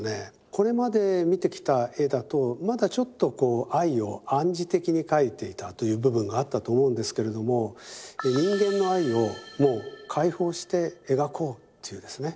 これまで見てきた絵だとまだちょっと愛を暗示的に描いていたという部分があったと思うんですけれども人間の愛をもう解放して描こうというですね